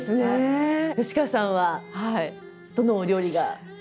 吉川さんはどのお料理が？